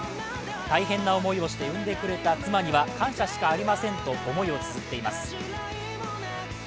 大変な思いをして産んでくれた妻には感謝しかありませんと思いをつづっています。